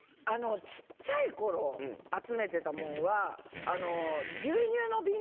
小っちゃい頃集めてたもんは。